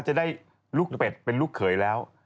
จะได้ลูกเป็ดเป็นลูกเขยแล้ว